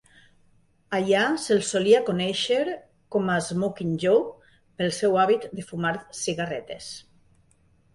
Allà se'l solia conèixer com a "Smokin' Jo", pel seu hàbit de fumar cigarretes.